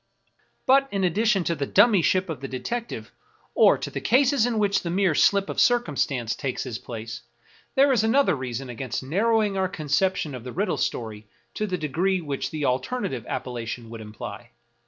But in addition to the dummyship of the detective, or to the cases in which the mere slip of circumstance takes his lO Julian Hawthorne place, there is another reason against narrowing our con ception of the riddle story to the degree which the alter native appellation would imply.